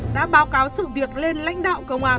đã báo cáo sự việc lên lãnh đạo công an